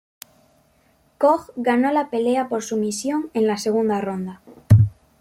Koch ganó la pelea por sumisión en la segunda ronda.